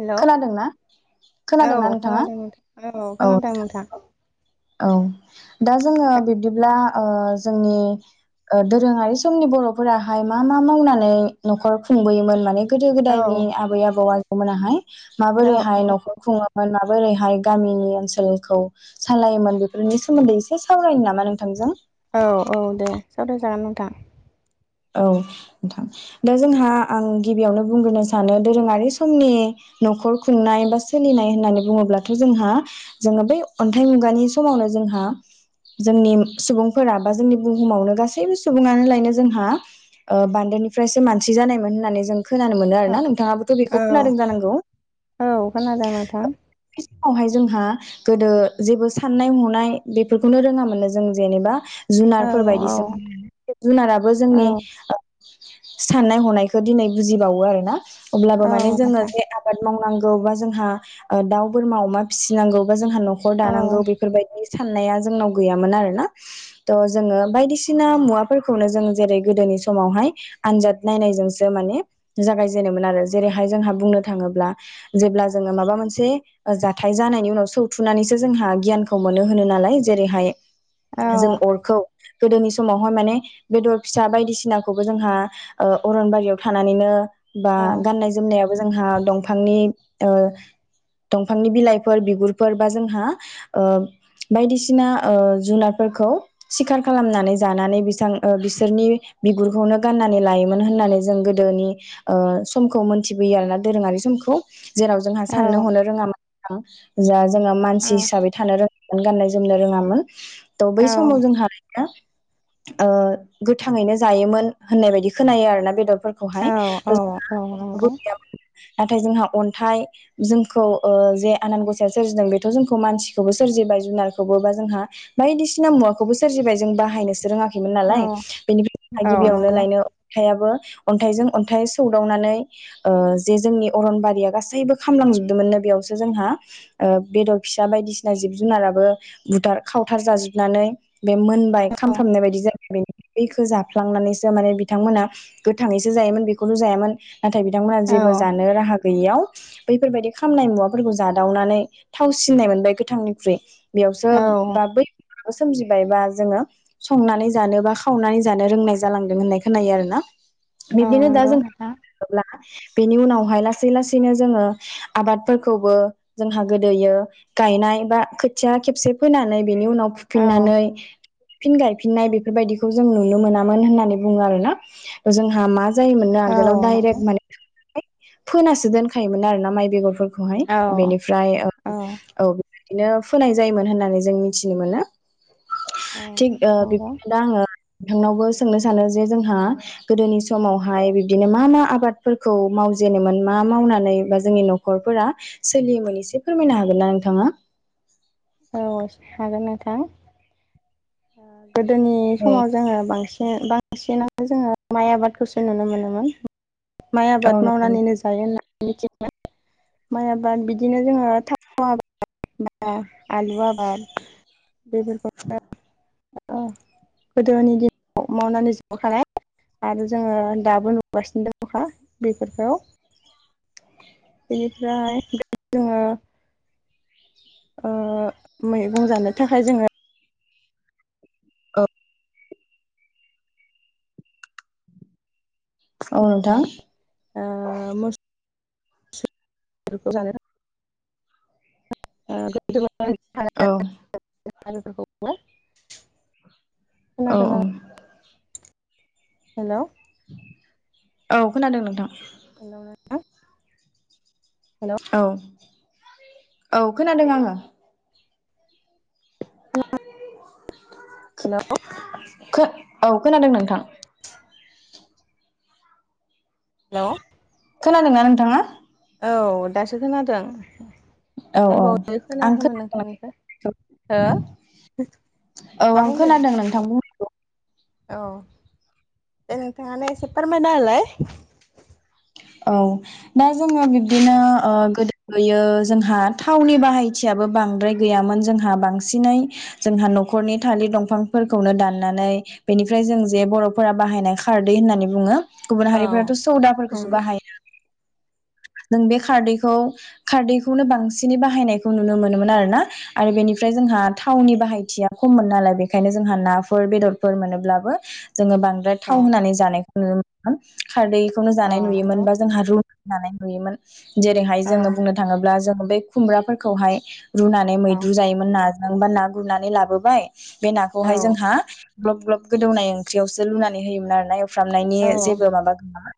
Hello खोनादोंना औ खोनादोंना नोंथाङा खोनादों नोंथां औ खोनादों नोंथां। औ दा जोङो नोंथां बिब्दिब्ला ओ जोंनि औ ओ दोरोङारि समनि बर'फोराहाय मा मा मावनानै नखर खुंबोयोमोन माने गोदो गोदायनि आबै आबौआ मोनाहाइ औ माबोरैहाय नख'र खुङो मोन माबोरैहाय गामिनि ओनसोलखौ औ सालायोमोन बेफोरनि सोमोन्दै एसे सावरायनो नामा नोंथांजों? दा औ नोंथां दा जोंहा आं गिबियावनो बुंग्रोनो सानो दोरोङारि समनि नख'र खुंनाय बा सोलिनाय होननानै बुङोब्लाथ जोंहा जोङो बै अन्थाइ मुगानि समावनो जोंहा जोंनि सुबुंफोरा बा जोंनि बुहुमावनो गासैबो सुबुङानो लायनो जोंहा ओ बान्दोनिफ्रायसो मानसि जानायमोन होननानै जों खोनानो मोनो आरोना नोंथाङाबोथ' बेखौ औ खोनादों जानांगौ? औ खोनादों नोंथां बावहाय जोंहा गोदो जेबो साननाय हनाय बेफोरखौनो रोङा मोनो जों जेनेबा औ जुनारफोर औ बायदिसोमोननो जुनाराबो औ जोंनि साननाय हनायखौ दिनै बुजिबावो आरो ना अब्लाबो औ माने जोङो नोंथां जे आबाद मावनांगौ बा जोंहा ओ दाउ, बोरमा, अमा फिसिनांगौ जोंहा नख'र औ दानांगौ बेफोरबायदि साननाया जोंनाव गैयामोन आरोना थ जोङो बायदिसिना मुवाफोरखौनो जों जेरै गोदोनि समावहाय आनजाद नायनायजोंसो माने जागायजेनोमोन आरो जेरैहाय जोंहा बुंनो थाङोब्ला जेब्ला जोङो माबा मोनसे जाथाय जानायनि उनाव सौथुनानैसो जोंहा गियानखौ मोनो होनो नालाय जेरैहाय औ जों अरखौ गोदोनि समावहाय माने बेदर फिसा बायदिसिनाखौबो जोंहा ओ अरनबारियाव थानानैनो बा औ गाननाय जोमनायाबो जोंहा दंफांनि ओ दंफांनि बिलाइफोर बिगुरफोर बा जोंहा ओ बायदिसिना ओ जुनारफोरखौ सिखार खालामनानै जानानै बिसां ओ बिसो रनि बिगुरखौनो गाननानै लायोमोन होननानै जों गोदोनि ओ समखौ मोनथिबोयो आरोना दोरोङारि समखौ जेराव जोंहा औ साननो हनो रोङामोन जा [unintelligible] जोङो मानसि औ हिसाबै थानो रों गाननाय जोमनो रोङामोन। थ औ बै समाव जोंहा [inaudible] ओ गोथाङैनो जायोमोन होननाय बायदि खोनायो आरोना बेदर फोरखौहाय [inaudible] औ नंगौ नाथाय जोंहा अन्थाइ जोंखौ ओ जे आनान गसाया सोरजिदों बेथ' जोंखौ मानसिखौबो सोरजिबाय जुनारखौबो बा जोंहा बायदिसिना मुवाखौबो सोरजिबाय जों बाहायनोसो रोङा खैमोन औ नालाय बेनिफ्राय जोंहा औ गिबियावनो नंगौ लायनो अन्थाइयाबो अन्थाइजों अन्थाइ सौदावनानै ओ जे जोंनि अरनबारिया गासैबो खामलांजोबदोंमोननो बेयावसो जोंहा ओ बेदर फिसा बायदिसिना जिब जुनाराबो बुथार खावथार जाजोबनानै बे मोनबाय औ खामफ्रामनाय बायदि जा बे बैखो जाफ्लांनानैसो माने बिथांमोना गोथाङैसो जायोमोन बेखौल' जायामोन नाथाय बिथांमोनहा औ जेबो जानो राहा गैयियाव बैफोरबायदि खामनाय मुवाफोरखौ जादावनानै थाव सिननाय मोनबाय गोथांनिख्रुइ बेयावसो औ बा बै सोमजिबायबा जोङो संनानै जानोबा खावनानै जानो रोंनाय जालांदों होननाय खोनायो आरो ना। औ बिदिनो दा नंगौ जों बुंनो नोंथां थाङोब्ला बेनि उनावहाय लासै लासैनो जोङो आबादफोरखौबो जोंहा गोदोयो गायनाय बा खोथिया खेबसे फोनानै बेनि उनाव औ फुफिननानै फिन गायफिननाय बेफोरबायदिखौ जों नुनो मोनामोन होननानै बुङो आरोना जोंहा मा जोयोमोननो औ आगोलाव नंगौ डाइरेक्ट माने फोनासो दोनखायोमोन आरोना माइ बेगरफोर खौहाय औ बेनिफ्राय औ औ दिनो फोनाय जायोमोन होननानै जों मिथिनो मोनो। नंगौ थिग ओ बिब्दिनो दा आङो नोंथांनावबो सोंनो सानो जे जोंहा गोदोनि समावहाय बिब्दिनो मा मा आबादफोरखौ मावजेनोमोन मा मावनानै बा जोंनि नखरफोरा सोलियोमोन एसे फोरमायनो हागोन ना नोंथाङा? औ हागोन नों थां आ गोदोनि औ समाव जोङो बांसिन बांसिनानो जोङो माइ आबादखौसो नुनो मोनोमोन। माइ औ आबाद नंगौ मावनानैनो जायो होन मिथि [unintelligible] माइ आबाद बिदिनो जोङो [unintelligible] [unintelligible] आलु आबाद बे [unintelligible] ओ गोदोनि दिनाव मावनानै जाबोखानाय आरो जोङो दाबो नुगासिनो दङखा बेफोरखौ बेनिफ्राय [unintelligible] जोङो ओ मैगं जानो थाखाय जोङो ओ औ नोंथां ओ [unintelligible] औ हाजो फोरखौ [unintelligible] औ औ हेलौ औ खोनादों नोंथां हेलौ नोंथां हेलौ औ औ खोनादों आङो [unintelligible] हेलौ खो औ खोनादों नोंथां हेलौ खोनादोंना नोंथाङा औ दासो खोनादों औ औ दानबावै आं खोनायाखैमोन खोना [unintelligible] नोंथांनिखौ हो औ मा आं बुंदों खोनादों नोंथांमोनखौ औ दे नोंथाङानो एसे फोरमायनाहोलाय औ दा जोङो बिब्दिनो ओ गोदोयो जोंहा थावनि बाहायथियाबो बांद्राय गैयामोन जोंहा बांसिनै जोंहा नखरनि थालिर दंफांफोरखौनो दाननानै बेनिफ्राय जों जे बरफोरा बाहायनाय खारदै होननानै बुङो गुबुन औ हारिफोराथ' सौदाफोरखौ नंगौ बाहायनानै जों बे खारदैखौ खारदैखौनो बांसिनै बाहायनायखौ नुनो मोनोमोन आरोना आरो बेनिफ्राय जोंहा थावनि बाहायथिया खममोन नालाय बेखायनो जोंहा नाफोर बेदरफोर मोनोब्लाबो जोङो बांद्राय औ थाव होनानै जानायखौ औ नोंथां खारदैखौनो औ जानाय नंगौ नुयोमोन बा जोंहा रु मालायनि नुयोमोन जेरैहाय औ जोङो बुंनो थाङोब्ला जो बे खुमब्राफोरखौहाय रुनानै मैद्रु औ जायोमोन नाजों ओंबा ना गुरनानै लाबोबाय बे औ नाखौहाय जोंहा। ग्लब ग्लब गोदौनाय ओंख्रियावसो लुनानै होयोमोन आरो ना फ्रामनायनि औ जेबो माबा गैयामोन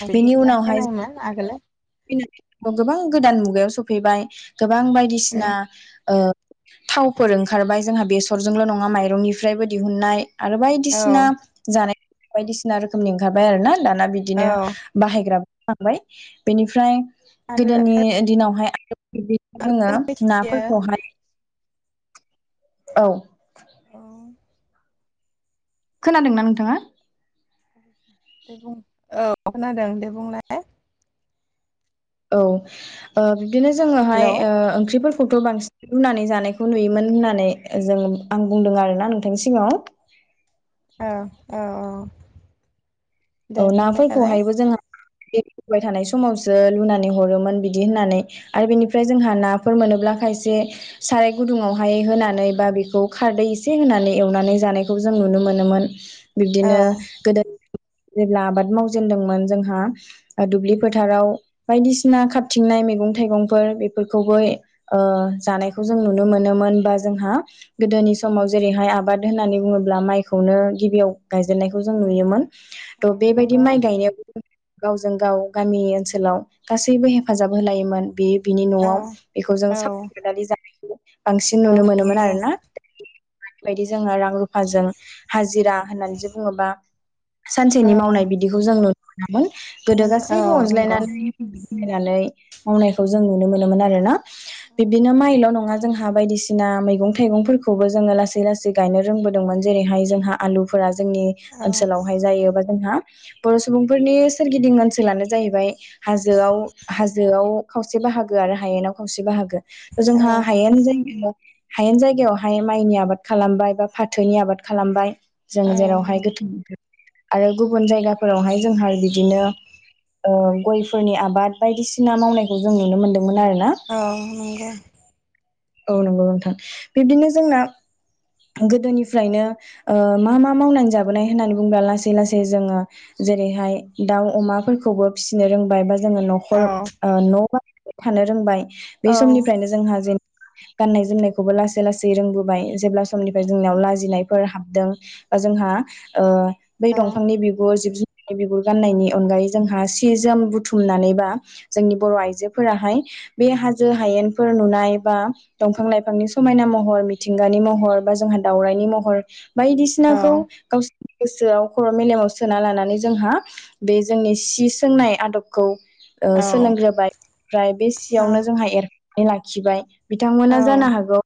[unintelligible] आगोलो फै गोबां गोदान मुगायाव सफैबाय गोबां बायदिसिना ओ थावफोर ओंखारबाय जोंहा बेसरजोंल नङा माइरंनिफ्रायबो दिहुननाय आरो बायदिसिना औ जानाय बायदिसिना रोखोमनि ओंखारबाय आरो ना दाना बिदिनो औ बाहायग्रा [unintelligible] बेनिफ्राय आरो गोदोनि दिनावहाय बिदिनो जोङो आयो नाफोरखौहाय औ औ खोनादोंना नोंथाङा बुं औ खोनादों दे बुंलाय औ ओ बिदिनो जोङोहाय हेलौ ओ ओंख्रिफोर खौथ बांसिन रुनानै जानायखौ नुयोमोन होननानै जों आं बुंदों आरो ना नोंथांनि सिङाव औ औ औ औ औ दे बुंबाय थालाय नाफोरखौहायबो जोङो बेाय थानाय समावसो लुनानै हरोमोन बिदि होननानै आरो बेनिफ्राय जोंहा नाफोर मोनोब्ला खायसे साराय गुदुङावहाय होनानै बा बेखौ खारदै एसे होनानै एवनानै जानायखौ जों नुनो मोनोमोन औ बिब्दिनो गोदोनि जेब्ला आबाद मावजेनदोंमोन जोंहा दुब्लि फोथाराव बायदिसिना खारथिंनाय मैगं थाइगंफोर बेफोरखौबो ओ जानायखौ जों नुनो मोनोमोन बा जोंहा गोदोनि समाव जेरैहाय आबाद होननानै बुङोब्ला माइखौनो गिबियाव गायजेननायखौ जों नुयोमोन थ बेबायदि नंगौ माइ गायनायाबो गावजों गाव गामि ओनसोलाव गासैबो हेफाजाब होलायोमोन बे बिनि औ नआव बेखौ जों औ सावरि बादालि जानाय बांसिन औ नुनो मोनोमोन नंगौ आरोना बेबायदि जोङो औ रां रुफाजों हाजिरा होननानैसो बुङो बा सानसेनि औ मावनाय बिदिखौ जों गोदो औ गासैबो नंगौ अनज्लायनानै [unintelligible] फैनानै मावनायखौ जों नुनो मोनोमोन आरो ना। बिब्दिनो माइल नङा। जोंहा बायदिसिना मैगं थाइगंफोरखौबो जोङो लासै लासै गायनो रोंबोदोंमोन जेरैहाय जोंहा आलुफोरा। जोंनि औ ओनसोलावहाय जायो। जोंहा बर' सुबुंफोरनि सोरगिदिं ओनसोलानो जाहैबाय हाजोआव हाजोआव खावसे बाहागो आरो हायेनाव खावसे बाहागो। औ जोंहा हायेन जायगायाव। हायेन जायगायावहाय माइनि आबाद खालामबाय बा फाथोनि आबाद खालामबाय। जों औ जेरावहाय नंगौ गोथौ आरो गुबुन जायगा। फोरावहाय जोंहा बिदिनो। ओ गय'फोरनि आबाद बायदिसिना मावनायखौ जों नुनो मोनदों! औ नंगौ। औ नंगौ नोंथां बिब्दिनो जोंना। गोदोनिफ्रायनो ओ मा मा मावनानै जाबोनाय होननानै बुङोब्ला लासै लासै जोङो जेरैहाय दाउ अमाफोरखौबो फिसिनो रोंबाय जोङो न'खर औ ओ न' बां थानो रोंबाय। औ बे समनिफ्रायनो जोंहा जेन गाननाय जोमनायखौबो लासै लासै रोंबोबाय जेब्ला। समनिफ्राय जोंनियाव लाजिनायफोर हाबदों बा जोंहा ओ। बै दंफांनि बिगुर जिब। बिगुर गाननायनि अनगायै जोंहा सि जोम बुथुमनानै बा जोंनि बर' आइजोफोराहाय बे हाजो हायेनफोर नुनाय बा दंफां लाइफांनि समायना महर मिथिंगानि महर बा जोंहा दाउरायनि महर। बायदिसिनाखौ गाव। गोसोआव खर मेलेमाव सोना लानानै जोंहा बे जोंनि सि सोंनाय आदबखौ ओ सोलोंग्रोबाय ओमफ्राय बे सियावनो जोंहा एर लाखिबाय। बिथांमोना जानो हागौ।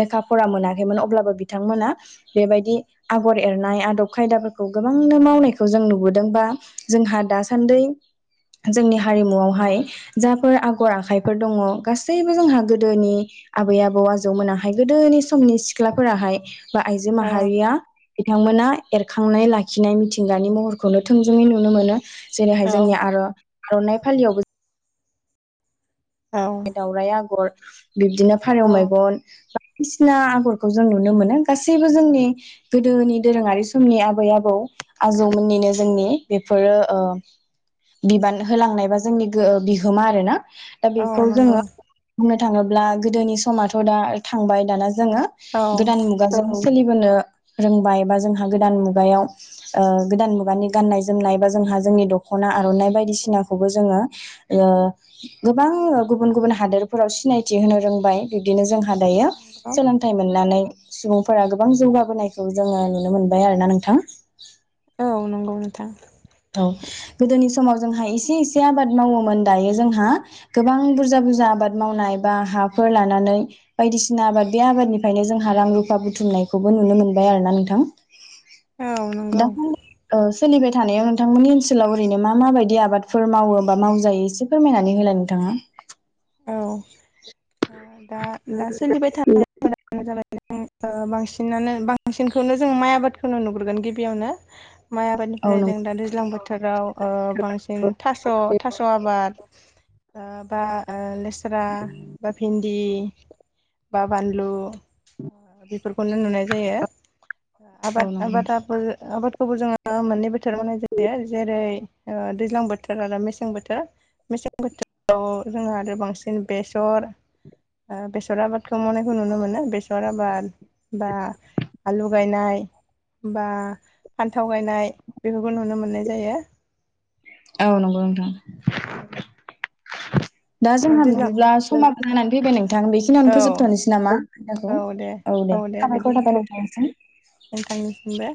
लेखा फरा मोना मोनाखैअब्लाबो बिथांमोना बेबायदि आगर एरनाय आदब खायदाफोरखौ गोबांनो मावनायखौ जों नुबोदों बा जोंहा दासान्दि जोंनि हारिमुआवहाय जाफोर आगर आखाइफोर दङ। सैबो जोंहा गोदोनि। आबै आबौ आजौमोनाहाय गोदोनि समनि सिख्लाफोराहाय बा आइजो माहारिया बिथांमोना एरखांनाय लाखिनाय मिथिंगानि महरखौनो थोंजोङै नुनो मोनो जेरैहाय जोंनिया आरो आरनाइ फालियावबो दावराइ आगर [inaudible] बिब्दिनो फारेव औ मेगन [unintelligible] आगरखौ जों नुनो मोनो। गासैबो जोंनि गोदोनि दोरोङारि समनि आबै आबौ आजौ आबौमोननिनो जोंनि बेफोरो ओ बिबान होलांनायबा जोंनि बिहोमा आरोना दा औ बेखौ जोङो नंगौ। बुंनो थाङोब्ला गोदोनि समाथ' दा थांबाय दाना जोङो औ गोदान मुगाजों सोलि जोङो रोंबाय बा जोंहा गोदान मुगायाव ओ गोदान मुगानि गाननाय जोमनाय बा जोंहा जोंनि दखना आरनाइ बायदिसिनाखौबो जोङो ओ गोबां गुबुन गुबुन हादोरफोराव सिनायथि होनो रोंबाय। बिब्दिनो जों हा दायो सोलोंथाइ मोननानै सुबुंफोरा गोबां जौगाबोनायखौ जोङो नुनो मोनबाय आरोना नोंथां। औ नंगौ नोंथां। औ गोदोनि समाव जोंहा एसे एसे आबाद मावोमोन दायो जोंहा गोबां बुरजा बुरजा आबाद मावनाय बा हाफोर लानानै बायदिसिना आबाद बे आबादनिफ्रायनो जोंहा रां रुफा बुथुमनायखौबो नुनो मोनबाय आरोना नोंथां। औ नंगौ। दासान्दि सोलिबाय थानायाव नोंथांमोननि ओनसोलाव ओरैनो मा मााबायदि आबादफोर मावोबा मावजायो एसे फोरमायनानै होलाय नोंथाङा? औ दा दा दा सोलिबाय थानायफोरानो जाबाय ओ बांसिनानो बांसिनखौनो जों माइ आबादखौनो नुग्रोगोन गिबियावनो माइ औ आबादनिफ्राय जों नंगौ दा दैज्लां बोथोराव ओ बांसिन थास थास आबाद ओ बा ओ लेस्रा बा भिन्दि बा बानलु बेफोरखौनो नुनाय जायो। आबाद औ नंगौ आबादाबो आबादखौबो जोङो दा मोननै बोथोर मावनाय जायो जेरै दैज्लां बोथोर आरो मेसें बोथोर। मेसें बोथोराव जोङो आरो बांसिन बेसर ओ बेसर आबादखौ मावनायखौ नुनो मोनो। बेसर आबाद बा आलु गायनाय, बा फान्थाव गायनाय बेफोरखौ नुनो मोननाय जायो। औ नंगौ नोंथां। दा जोंहा बिदिब्ला समाबो जानानै फैबाय नोंथां बेखिनियावनो औ फोजोबथनोसै नामा आन्थाखौ? औ दे औ दे साबायखर बिदिनो थाबाय नोंथांनिसिम। नोंथांनिसिमबो